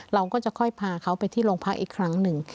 เราก็จะค่อยพาเขาไปที่โรงพักอีกครั้งหนึ่ง